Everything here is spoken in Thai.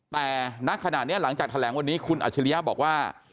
แต่ณขณะนี้หลังจากแถลงวันนี้คุณอัจฉริยะบอกว่า